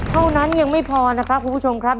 เท่านั้นยังไม่พอนะครับคุณผู้ชมครับ